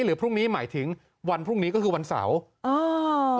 หรือพรุ่งนี้หมายถึงวันพรุ่งนี้ก็คือวันเสาร์อ่า